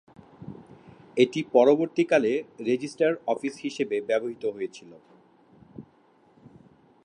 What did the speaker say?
এটি পরবর্তীকালে register office হিসেবে ব্যবহৃত হয়েছিল।